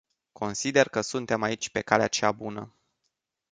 Consider că suntem aici pe calea cea bună.